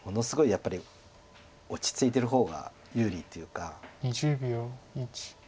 やっぱり落ち着いてる方が有利っていうか。